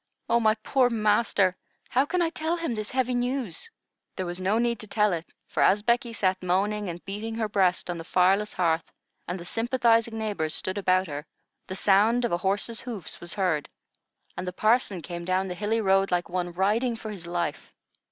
Oh, my poor master! How can I tell him this heavy news?" There was no need to tell it; for, as Becky sat moaning and beating her breast on the fireless hearth, and the sympathizing neighbors stood about her, the sound of a horse's hoofs was heard, and the parson came down the hilly road like one riding for his life.